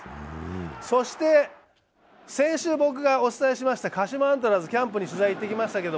そして先週僕がお伝えしました鹿島アントラーズ、キャンプに取材に行ってきました。